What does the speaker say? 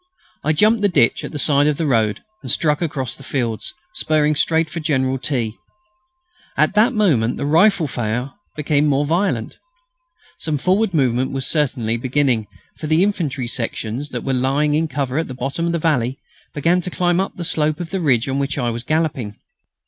I jumped the ditch at the side of the road, and struck across the fields, spurring straight for General T. At that moment the rifle fire became more violent. Some forward movement was certainly beginning, for the infantry sections, that were lying in cover at the bottom of the valley, began to climb up the slope of the ridge on which I was galloping.